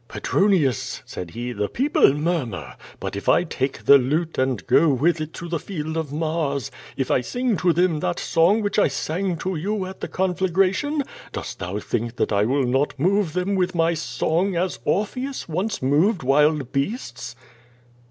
"Petronius," said he, "the people murmur, but if I take the lute and go with it to the field of Mars, if I sing to them that song which I sang to you at the conflagration, dost thou think that I will not move them with my song as Orpheus once moved wild beasts?"